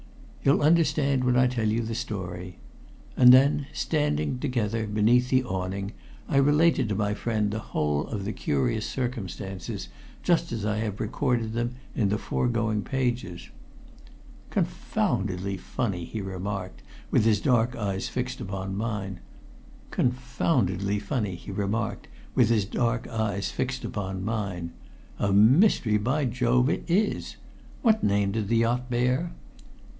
"You'll understand when I tell you the story." And then, standing together beneath the awning, I related to my friend the whole of the curious circumstances, just as I have recorded them in the foregoing pages. "Confoundedly funny!" he remarked with his dark eyes fixed upon mine. "A mystery, by Jove, it is! What name did the yacht bear?"